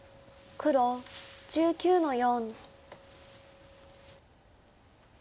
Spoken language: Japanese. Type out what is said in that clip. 黒１９の六。